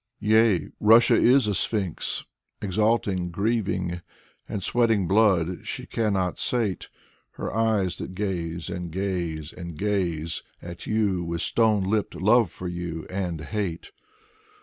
Yea, Russia is a Sphinx. Exulting, grieving, And sweating blood, she cannot sate Her eyes that gaze and gaze and gaze At you with stone lipped love for you, and hate.